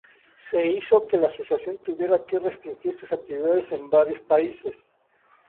Esto hizo que la Asociación tuviera que restringir sus actividades en varios países.